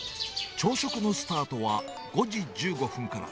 朝食のスタートは５時１５分から。